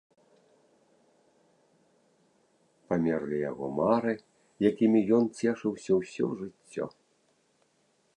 Памерлі яго мары, якімі ён цешыўся ўсё жыццё.